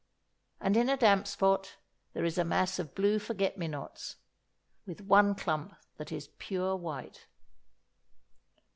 And in a damp spot there is a mass of blue forget me nots, with one clump that is pure white.